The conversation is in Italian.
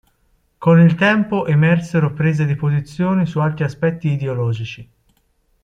Con il tempo emersero prese di posizione su altri aspetti ideologici.